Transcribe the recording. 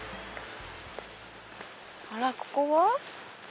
あらここは？